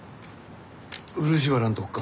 漆原んとこか？